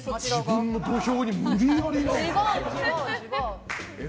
自分の土俵に無理やり。